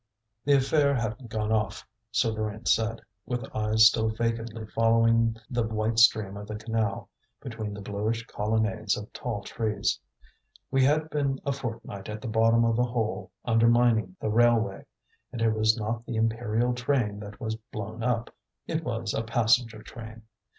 "The affair hadn't gone off," Souvarine said, with eyes still vacantly following the white stream of the canal between the bluish colonnades of tall trees. "We had been a fortnight at the bottom of a hole undermining the railway, and it was not the imperial train that was blown up, it was a passenger train.